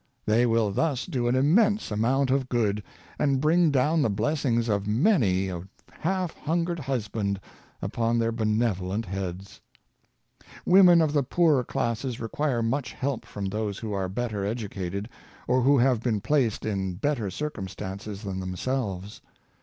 They will thus do an immense amount of good, and bring 56 Joseph CorhetVs Story. down the blessings of many a half hungered husband upon their benevolent heads. Women of the poorer classes require much help from those who are better educated, or who have been placed in better circum stances than themselves.